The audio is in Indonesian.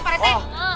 udah tiduran pak rt